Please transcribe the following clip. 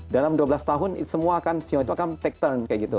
dalam dua belas tahun semua akan ceo itu akan take turn kayak gitu